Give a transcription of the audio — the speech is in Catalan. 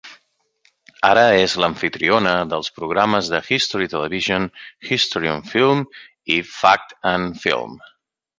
Ara és l'amfitriona dels programes de History Television "History on Film" i "Fact and Film".